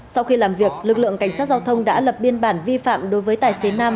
sau khi làm việc lực lượng cảnh sát giao thông đã lập biên bản vi phạm đối với tài xế nam